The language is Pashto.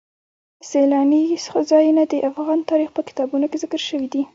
سیلانی ځایونه د افغان تاریخ په کتابونو کې ذکر شوی دي.